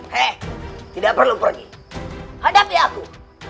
hei tidak perlu pergi hadapi aku